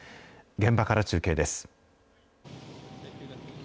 現場から中継です。